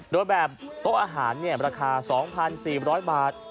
โดยแบบโต๊ะอาหารราคา๒๔๐๐บาท